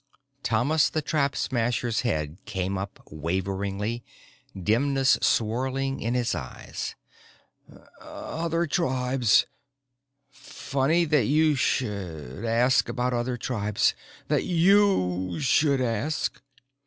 Thomas the Trap Smasher's head came up waveringly, dimness swirling in his eyes. "Other tribes. Funny that you should ask about other tribes. That you should ask."